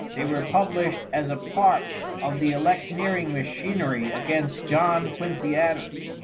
They were published as a part of the electioneering machinery against John Quincy Adams.